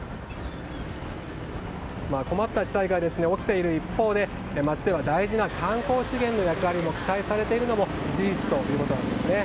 困った事態が起きている一方で街では大事な観光資源の役割を期待されているのも事実ということなんですね。